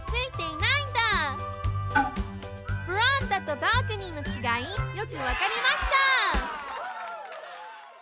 ベランダとバルコニーのちがいよくわかりました！